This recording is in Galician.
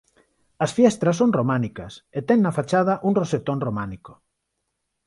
As fiestras son románicas e ten na fachada un rosetón románico.